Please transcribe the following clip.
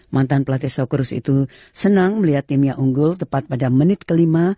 mantan pelatih sokros itu senang melihat timnya unggul tepat pada menit kelima